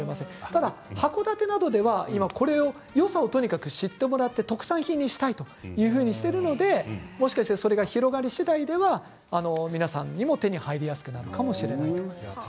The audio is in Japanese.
ただ函館などでは今これをよさをとにかく知ってもらって特産品にしたいとしているのでもしかしてそれが広がり次第では皆さんにも手に入りやすくなるかもしれません。